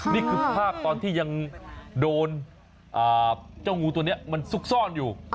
นี่คือภาพตอนที่ยังโดนเจ้างูตัวนี้มันซุกซ่อนอยู่